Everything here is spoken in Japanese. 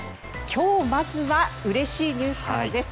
今日、まずはうれしいニュースからです。